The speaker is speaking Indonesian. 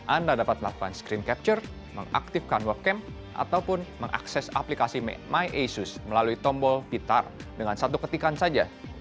anda dapat melakukan screen capture mengaktifkan webcam ataupun mengakses aplikasi my asus melalui tombol pitar dengan satu ketikan saja